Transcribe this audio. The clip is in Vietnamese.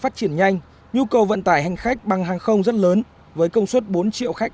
phát triển nhanh nhu cầu vận tải hành khách bằng hàng không rất lớn với công suất bốn triệu khách